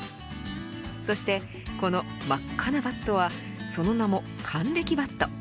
そして、この真っ赤なバットはその名も還暦バット。